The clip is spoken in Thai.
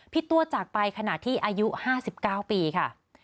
ตัวจากไปขณะที่อายุ๕๙ปีค่ะ